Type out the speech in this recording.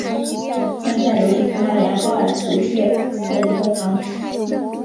曼塞卢什是葡萄牙波尔图区的一个堂区。